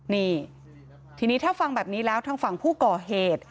นี่ทีนี้ถ้าฟังแบบนี้แล้วทางฝั่งผู้ก่อเหตุ